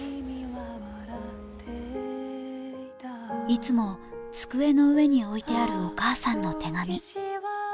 いつも机の上に置いてあるお母さんの手紙。